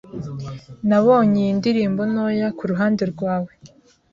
Nabonye iyi ndirimbo ntoya kuruhande rwawe,